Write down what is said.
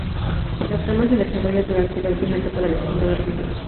La trama se desarrolla durante la última etapa de la Segunda Guerra Mundial.